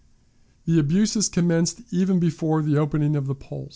"The abuses commenced even before the opening of the polls.